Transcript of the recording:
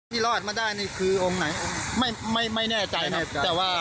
รอดมาได้นี่คือองค์ไหนไม่ไม่ไม่แน่ใจครับแต่ว่า